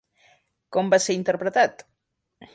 Com va ser interpretat?